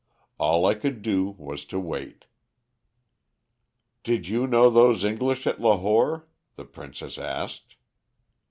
"All I could do was to wait." "'Did you know those English at Lahore?' the princess asked.